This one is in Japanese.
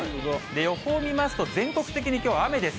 予報見ますと、全国的にきょう、雨です。